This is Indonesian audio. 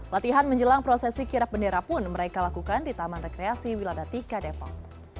latihan menjelang prosesi kirap bendera pun mereka lakukan di taman rekreasi wiladatika depok